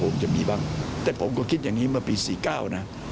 ผมจะมีบ้างแต่ผมก็คิดอย่างนี้เมื่อปี๔๙นะ